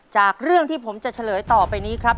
จากเรื่องที่ผมจะเฉลยต่อไปนี้ครับ